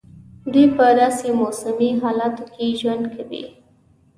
دوی په داسي موسمي حالاتو کې ژوند کوي.